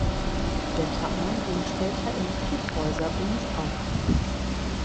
Der Verein ging später im Kyffhäuserbund auf.